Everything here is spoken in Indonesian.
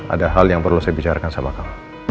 ada hal yang perlu saya bicarkan sama kamu